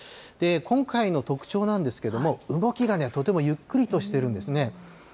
今回の特徴なんですけれども、動きがね、とてもゆっくりとしているんですね。